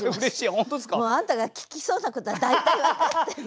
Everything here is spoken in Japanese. もうあんたが聞きそうなことは大体分かってるのよ。